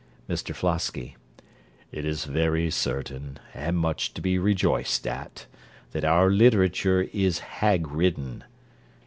MR FLOSKY It is very certain, and much to be rejoiced at, that our literature is hag ridden.